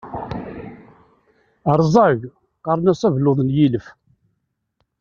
Rẓag, qqaren-as abelluḍ n yilef.